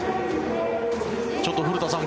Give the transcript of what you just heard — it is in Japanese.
ちょっと古田さん